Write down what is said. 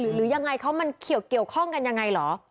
หรือยังไงเขามันเขียวเกี่ยวข้องกันอย่างไรหรอ